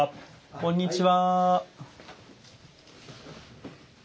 こんにちは。